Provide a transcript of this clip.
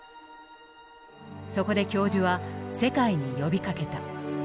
そこで教授は世界に呼びかけた。